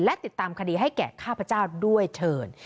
และติดตามคดีให้แก่ข้าพเจ้าด้วยเชิญ